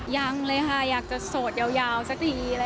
ยังเลยค่ะอยากจะโสดยาวสักที